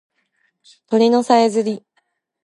鳥のさえずり